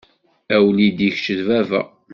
A wlidi kečč d baba.